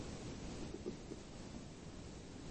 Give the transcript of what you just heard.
万历十三年乙酉乡试五十四名举人。